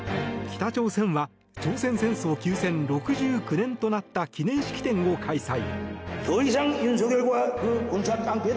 北朝鮮は朝鮮戦争休戦６９年となった記念式典を開催。